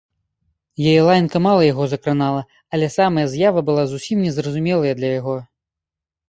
Яе лаянка мала яго закранала, але самая з'ява была зусім незразумелаю для яго.